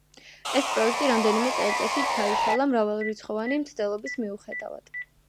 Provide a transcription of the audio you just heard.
ეს პროექტი რამდენიმე წელიწადში ჩაიშალა მრავალრიცხვოვანი მცდელობის მიუხედავად.